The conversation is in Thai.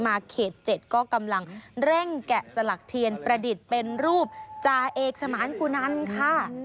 เขต๗ก็กำลังเร่งแกะสลักเทียนประดิษฐ์เป็นรูปจ่าเอกสมานกุนันค่ะ